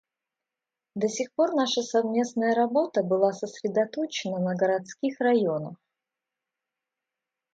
До сих пор наша совместная работа была сосредоточена на городских районах.